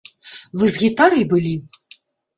Вы з гітарай былі?